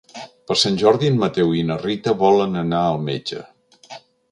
Per Sant Jordi en Mateu i na Rita volen anar al metge.